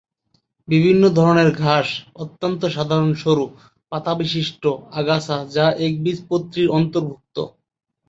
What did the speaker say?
বিভিন্ন ধরনের ঘাস অত্যন্ত সাধারণ সরু পাতাবিশিষ্ট আগাছা যা একবীজপত্রীর অন্তর্ভুক্ত।